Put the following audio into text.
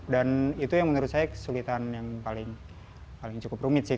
dan itu yang menurut saya kesulitan yang paling cukup rumit sih